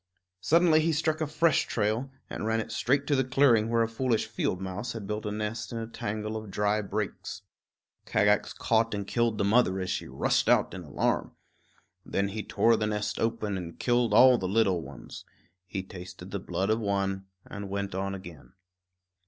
Suddenly he struck a fresh trail and ran it straight to the clearing where a foolish field mouse had built a nest in a tangle of dry brakes. Kagax caught and killed the mother as she rushed out in alarm. Then he tore the nest open and killed all the little ones. He tasted the blood of one and went on again.